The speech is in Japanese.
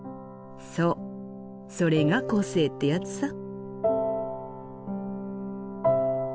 そうそれが個性ってやつさ。